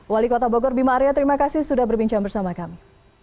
wali kota bogor bima arya terima kasih sudah berbincang bersama kami